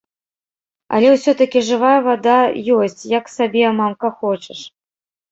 Але ўсё-такі жывая вада ёсць, як сабе, мамка, хочаш!